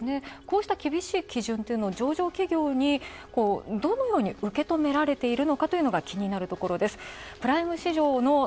こうした厳しい基準を上場企業にどのように受け止められているのか気になるところ。